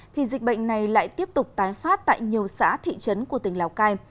thì dịch bệnh này lại tiếp tục tái phát tại nhiều xã thị trấn của tỉnh lào cai